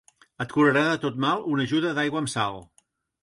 Et curarà de tot mal una ajuda d'aigua amb sal.